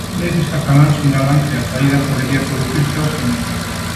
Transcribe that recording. Medios cataláns sinalan que a saída podería producirse hoxe mesmo.